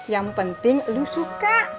yang penting lu suka